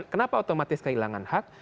kenapa otomatis kehilangan hak